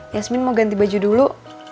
yasmin mau ganti baju dulu